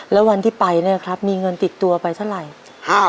แล้ววันที่ไปเนี่ยครับมีเงินติดตัวไปเท่าไหร่